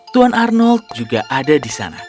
tuan arnold juga ada di sana